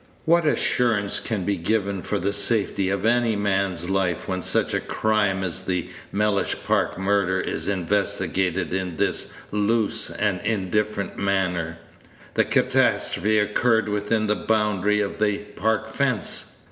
"What assurance can be given for the safety of any man's life when such a crime as the Mellish Park murder is investigated in this loose and indifferent manner? The catastrophe occurred within the boundary of the Park fence.